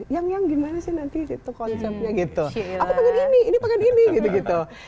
yang yang gimana sih nanti itu konsepnya gitu aku pengen ini ini pengen ini gitu gitu